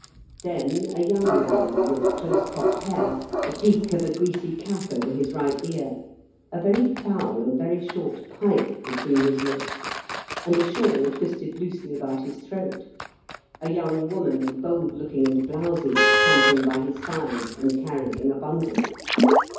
Then a young man, THE EOP'PIOKEES. 121 with close cropped hair, the peak of a greasy cap over his right ear, a very foul and very short pipe between his lips, and a shawl twisted loosely about his throat ; a young woman, bold looking and blowsy, tramping by his side, and carrying a bundle.